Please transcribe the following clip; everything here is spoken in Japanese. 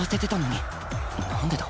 なんでだ？